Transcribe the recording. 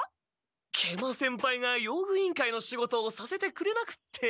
食満先輩が用具委員会の仕事をさせてくれなくって。